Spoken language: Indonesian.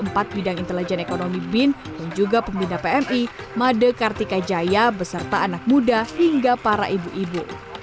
empat bidang intelijen ekonomi bin dan juga pembina pmi made kartika jaya beserta anak muda hingga para ibu ibu